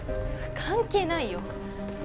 関係ないよ